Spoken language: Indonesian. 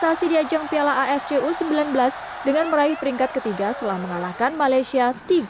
prestasi di ajang piala afc u sembilan belas dengan meraih peringkat ketiga setelah mengalahkan malaysia tiga